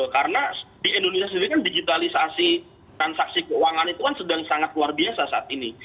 karena di indonesia sendiri kan digitalisasi transaksi keuangan itu kan sedang sangat luar biasa saat ini